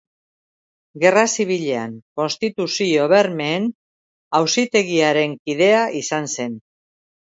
Gerra Zibilean Konstituzio-bermeen Auzitegiaren kidea izan zen.